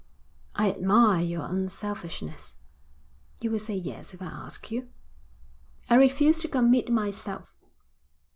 'I admire your unselfishness.' 'You will say yes if I ask you?' 'I refuse to commit myself.'